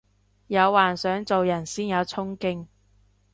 有幻想做人先有沖勁